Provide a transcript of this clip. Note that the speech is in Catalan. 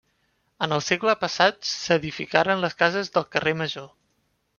En el segle passat s'edificaren les cases del Carrer Major.